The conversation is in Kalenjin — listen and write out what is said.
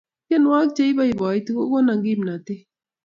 tienwokik che ipoipoiti kokona kimnatet